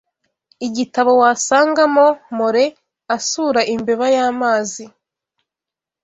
igitabo wasangamo Mole asura Imbeba y'amazi